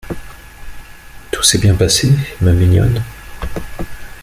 Tout s’est bien passé, ma mignonne ?